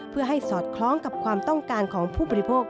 เพื่อให้สอดคล้องกับความต้องการของผู้บริโภค